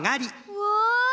うわ！